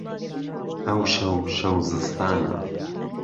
ئهوشهو شهو زستانه